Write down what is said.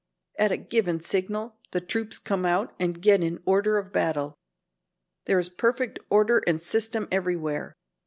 At a given signal the troops come out and get in order of battle. There is perfect order and system everywhere.